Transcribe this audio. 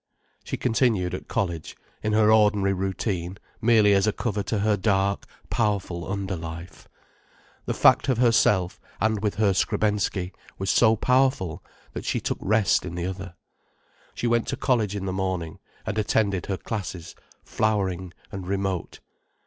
She continued at college, in her ordinary routine, merely as a cover to her dark, powerful under life. The fact of herself, and with her Skrebensky, was so powerful, that she took rest in the other. She went to college in the morning, and attended her classes, flowering, and remote.